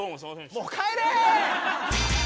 もう帰れ！